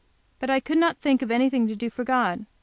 But I could not think of anything to do for God.